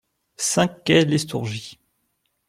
cinq quai Lestourgie